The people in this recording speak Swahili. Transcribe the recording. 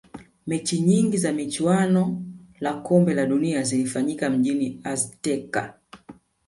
mechi nyingi za michuano la kombe la dunia zilifanyika mjini azteca